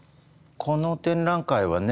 この展覧会はね